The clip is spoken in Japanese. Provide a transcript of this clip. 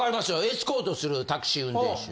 エスコートするタクシー運転手。